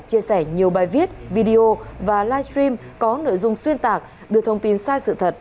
chia sẻ nhiều bài viết video và live stream có nội dung xuyên tạc đưa thông tin sai sự thật